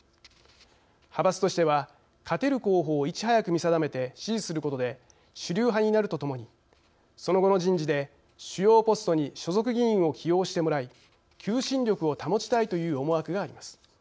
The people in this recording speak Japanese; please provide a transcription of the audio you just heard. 派閥としては勝てる候補をいち早く見定めて支持することで主流派になるとともにその後の人事で主要ポストに所属議員を起用してもらい求心力を保ちたいという思惑があります。